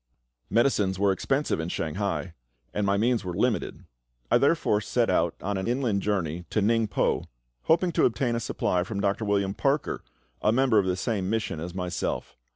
Medicines were expensive in Shanghai, and my means were limited. I therefore set out on an inland journey to Ningpo, hoping to obtain a supply from Dr. William Parker, a member of the same mission as myself.